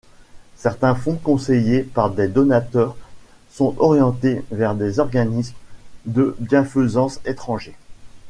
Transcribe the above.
Certains fonds conseillés par des donateurs sont orientés vers des organismes de bienfaisance étrangers.